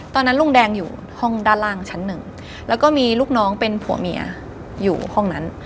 ตอนนั้นลุงแดงอยู่ห้องด้านล่างชั้นหนึ่งแล้วก็มีลูกน้องเป็นผัวเมียอยู่ห้องนั้น